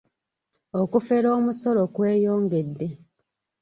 Okufera omusolo kweyongedde.